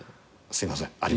すいません。